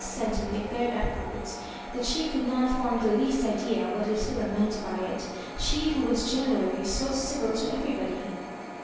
Centum de dared afterwards that she could not form the least idea what Lucilla meant by it, she who was generally so civil to everybody.